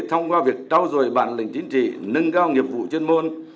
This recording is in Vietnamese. thông qua việc trao dồi bản lĩnh chính trị nâng cao nghiệp vụ chuyên môn